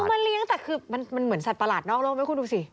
คือมันเลี้ยงแต่คือมันเหมือนสัตว์ประหลาดนอกโลกไหมคุณดูสิ